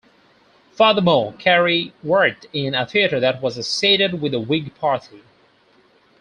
Furthermore, Carey worked in a theatre that was associated with the Whig party.